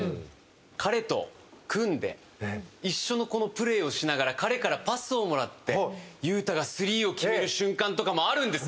彼と組んで一緒のプレーをしながら彼からパスをもらって雄太がスリーを決める瞬間とかもあるんです。